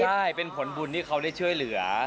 ใช่เป็นผลบุญที่เขาได้ช่วยเหลือ